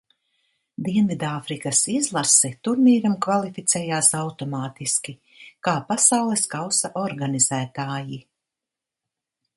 Dienvidāfrikas izlase turnīram kvalificējās automātiski, kā Pasaules kausa organizētāji.